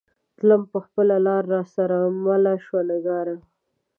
تلم به خپله لار را سره مله شوه نگارا